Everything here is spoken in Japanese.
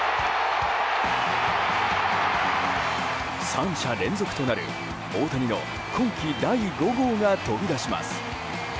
３者連続となる、大谷の今季第５号が飛び出します。